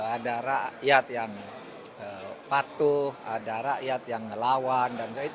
ada rakyat yang patuh ada rakyat yang ngelawan dan sebagainya